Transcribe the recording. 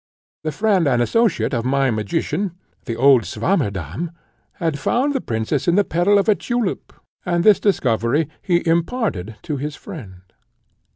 The friend and associate of my magician, the old Swammerdamm, had found the princess in the petal of a tulip, and this discovery he imparted to his friend.